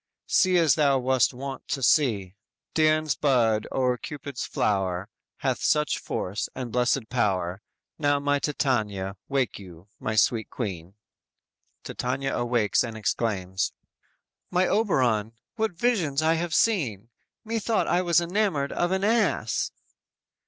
_See as thou wast wont to see; Dian's bud o'er Cupid's flower, Hath such force and blessed power, Now, my Titania; wake you, my sweet queen."_ Titania awakes and exclaims: _"My Oberon, what visions have I seen! Methought I was enamored of an ass!"